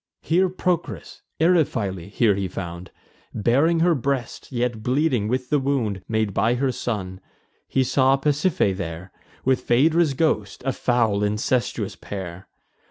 Here Procris, Eriphyle here he found, Baring her breast, yet bleeding with the wound Made by her son. He saw Pasiphae there, With Phaedra's ghost, a foul incestuous pair.